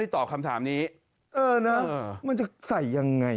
ตอบไม่ได้